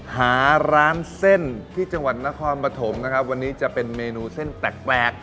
หาร้านเส้นที่จังหวัดนครปฐมนะครับวันนี้จะเป็นเมนูเส้นแปลก